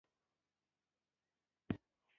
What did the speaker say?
آیا دوی د بریښنا مزي نه غځوي؟